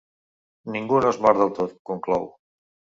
Ningú no es mor del tot, conclou.